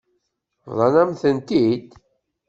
Bḍan-am-tent-id.